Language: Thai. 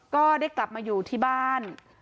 ก็ได้กลับมาอยู่ที่บ้าน